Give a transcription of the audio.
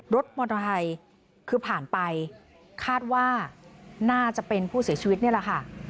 รถมอเตอร์ไซค์คือผ่านไปคาดว่าน่าจะเป็นผู้เสียชีวิตนี่แหละค่ะ